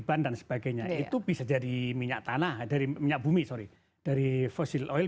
ban dan sebagainya itu bisa jadi minyak tanah dari minyak bumi sorry dari fosil oil